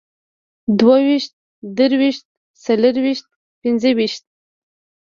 دوهويشت، دريويشت، څلرويشت، پينځهويشت